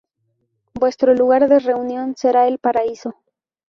Vuestro lugar de reunión será el Paraíso.